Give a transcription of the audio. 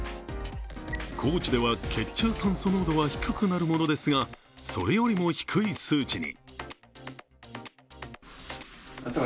高地では血中酸素濃度が低くなるものですがそれよりも低い数値に。